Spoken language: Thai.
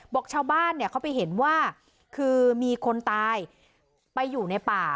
บอกชาวบ้านเนี่ยเขาไปเห็นว่าคือมีคนตายไปอยู่ในป่า